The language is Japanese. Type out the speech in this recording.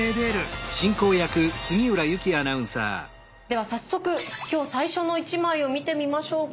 では早速今日最初の一枚を見てみましょう。